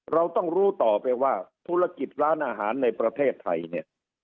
เราต้องรู้ต่อไปว่าธุรกิจร้านอาหารในประเทศไทยเนี่ย